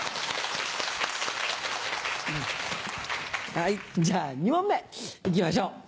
はいじゃあ２問目行きましょう。